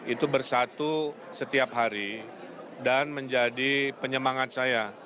itu bersatu setiap hari dan menjadi penyemangat saya